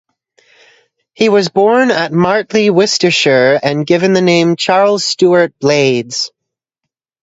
He was born at Martley, Worcestershire, and given the name Charles Stuart Blayds.